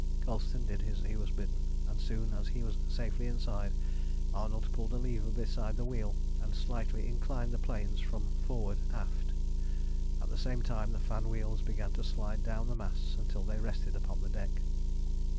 Colston did as he was bidden, and as soon as he was safely inside Arnold pulled a lever beside the wheel, and slightly inclined the planes from forward aft. At the same time the fan wheels began to slide down the masts until they rested upon the deck.